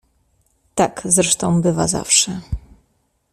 "Tak zresztą bywa zawsze."